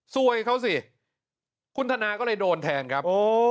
ซวยเขาสิคุณธนาก็เลยโดนแทงครับ